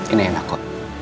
ini enak kok